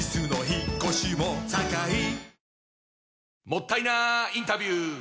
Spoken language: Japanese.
もったいなインタビュー！